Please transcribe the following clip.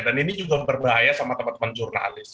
dan ini juga berbahaya sama teman teman jurnalis